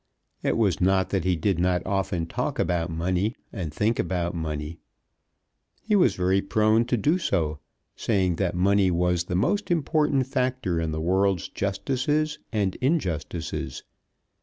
It was not that he did not often talk about money and think about money. He was very prone to do so, saying that money was the most important factor in the world's justices and injustices.